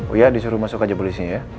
oya disuruh masuk aja polisi ya